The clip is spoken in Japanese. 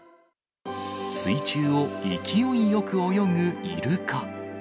水中を勢いよく泳ぐイルカ。